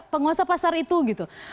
penguasa pasar itu gitu